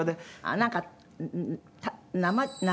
なんか。